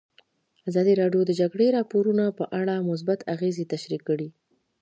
ازادي راډیو د د جګړې راپورونه په اړه مثبت اغېزې تشریح کړي.